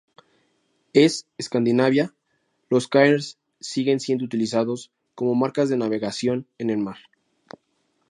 En Escandinavia, los "cairns" siguen siendo utilizados como marcas de navegación en el mar.